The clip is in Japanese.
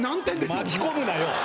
巻き込むなよ！